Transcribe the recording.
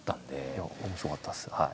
いや面白かったです。